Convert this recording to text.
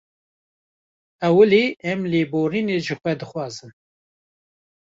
Ewilî em lêborînê ji we dixwazin